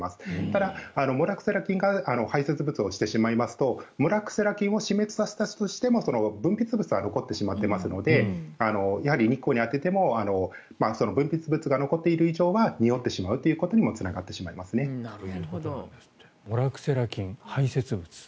ただ、モラクセラ菌が排せつ物をしてしまいますとモラクセラ菌を死滅させたとしても、分泌物は残ってしまっていますのでやはり日光に当てても分泌物が残っている以上はにおってしまうことにもモラクセラ菌、排せつ物。